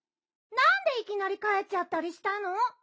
なんでいきなり帰っちゃったりしたの？